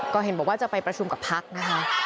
ก็เห็นบอกว่าจะไปประชุมกับพักนะคะ